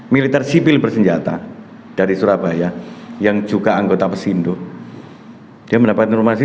militer sipil bersenjata dari surabaya yang juga anggota pesindo dia mendapat informasi